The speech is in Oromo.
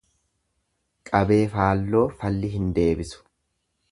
Qabee faalloo falli hin deebisu.